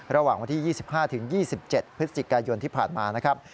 ระหว่างวันที่๒๕๒๗พฤศจิกายนที่ผ่านมานะครับ